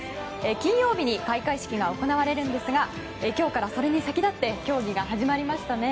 金曜日に開会式が行われるんですが今日からそれに先立って競技が始まりましたね。